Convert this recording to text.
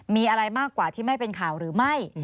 มีอะไรมากกว่าที่ไม่เป็นข่าวหรือไม่